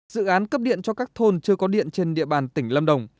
dự án cấp điện cho các thôn chưa có điện trên địa bàn tỉnh lâm đồng